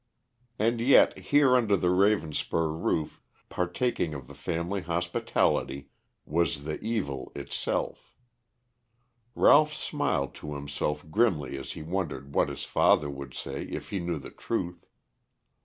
And yet, here under the Ravenspur roof, partaking of the family hospitality, was the evil itself. Ralph smiled to himself grimly as he wondered what his father would say if he knew the truth.